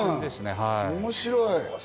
面白い。